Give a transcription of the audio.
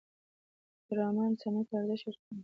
ډرامه انسانیت ته ارزښت ورکوي